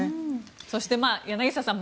そして、柳澤さん